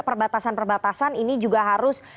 perbatasan perbatasan ini juga harus